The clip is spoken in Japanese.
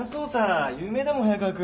有名だもん早川君。